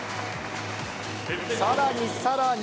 さらに、さらに。